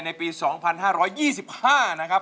ในปี๒๕๒๕นะครับ